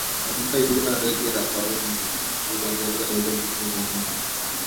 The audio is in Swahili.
Zanzibar ilikuwa na zaidi ya pauni za Uingereza milioni kumi na nne